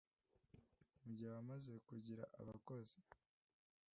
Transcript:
mu gihe wamaze kugira abakozi,